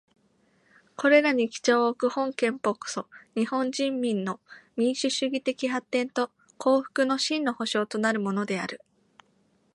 これらに基調をおく本憲法こそ、日本人民の民主主義的発展と幸福の真の保障となるものである。